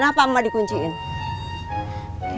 mama dari dimana